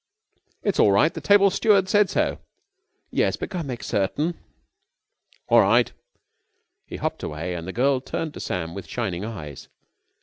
"It is all right. The table steward said so." "Yes, but go and make certain." "All right." He hopped away and the girl turned to Sam with shining eyes.